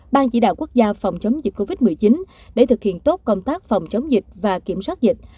ban chỉ đạo quốc gia phòng chống dịch covid một mươi chín để thực hiện tốt công tác phòng chống dịch và kiểm soát dịch